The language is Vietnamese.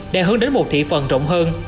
đã hướng đến một thị phần rộng hơn